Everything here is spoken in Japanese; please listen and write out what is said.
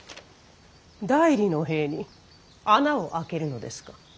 内裏の塀に穴を開けるのですか。